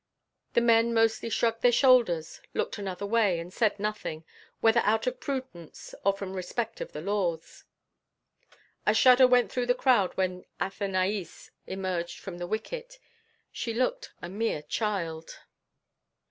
The men mostly shrugged their shoulders, looked another way, and said nothing, whether out of prudence or from respect of the laws. A shudder went through the crowd when Athenaïs emerged from the wicket. She looked a mere child.